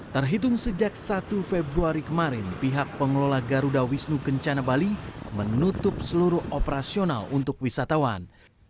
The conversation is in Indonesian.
terhitung sejak satu februari kemarin pihak pengelola garuda wisnu kencana bali menutup seluruh operasional untuk wisatawan